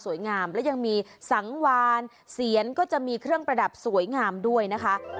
งามและยังมีสังวานเสียนก็จะมีเครื่องประดับสวยงามด้วยนะคะ